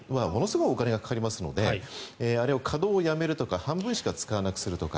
ものすごいお金がかかりますのであれの稼働をやめるとか半分しか使わなくするとか。